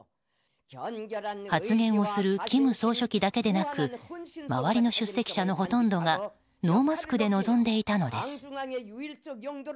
発言をする金総書記だけでなく周りの出席者のほとんどがノーマスクで臨んでいたのです。